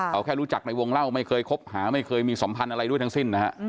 เขาแค่รู้จักในวงเล่าไม่เคยคบหาไม่เคยมีสัมพันธ์อะไรด้วยทั้งสิ้นนะฮะ